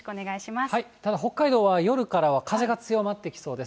ただ北海道は、夜からは風が強まってきそうです。